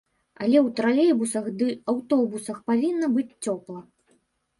Але ў тралейбусах ды аўтобусах павінна быць цёпла.